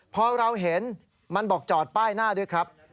พอเราเห็นมันบอกจอดป้ายหน้าด้วยครับ